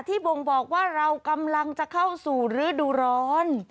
บ่งบอกว่าเรากำลังจะเข้าสู่ฤดูร้อน